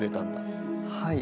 はい。